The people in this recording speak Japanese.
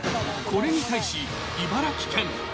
これに対し、茨城県。